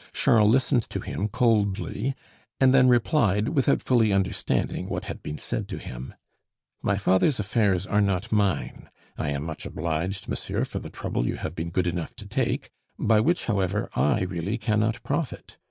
Charles listened to him coldly, and then replied, without fully understanding what had been said to him, "My father's affairs are not mine. I am much obliged, monsieur, for the trouble you have been good enough to take, by which, however, I really cannot profit.